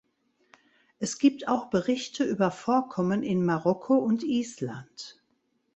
Es gibt auch Berichte über Vorkommen in Marokko und Island.